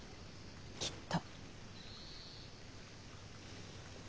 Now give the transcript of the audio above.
きっと。